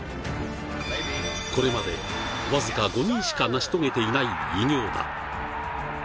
これまで、僅か５人しか成し遂げていない偉業だ。